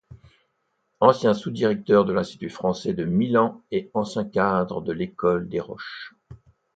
Ancien sous-directeur de l’Institut français de Milan et ancien cadre de l’École des Roches.